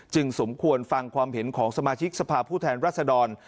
สมควรฟังความเห็นของสมาชิกสภาพผู้แทนรัศดร